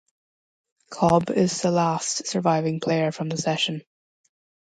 Cobb is the last surviving player from the session.